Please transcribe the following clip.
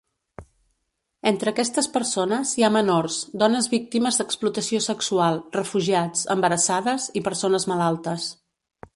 Entre aquestes persones hi ha menors, dones víctimes d'explotació sexual, refugiats, embarassades i persones malaltes.